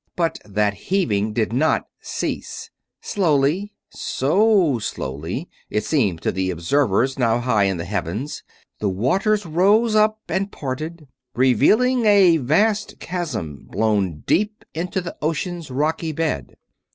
But that heaving did not cease. Slowly, so slowly it seemed to the observers now high in the heavens, the waters rose up and parted; revealing a vast chasm blown deep into the ocean's rocky bed.